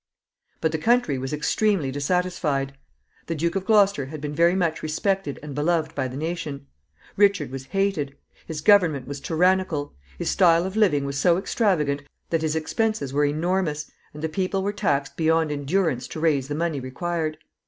But the country was extremely dissatisfied. The Duke of Gloucester had been very much respected and beloved by the nation. Richard was hated. His government was tyrannical. His style of living was so extravagant that his expenses were enormous, and the people were taxed beyond endurance to raise the money required.